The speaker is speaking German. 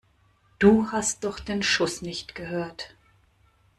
Du hast doch den Schuss nicht gehört!